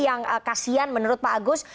yang kasian menurut pak agus